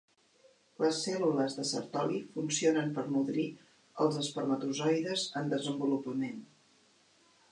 Les cèl·lules de Sertoli funcionen per nodrir els espermatozoides en desenvolupament.